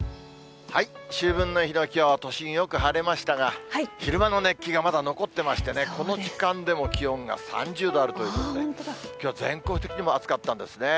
秋分の日のきょう、都心、よく晴れましたが、昼間の熱気がまだ残ってましてね、この時間でも気温が３０度あるということで、きょうは全国的にも暑かったんですね。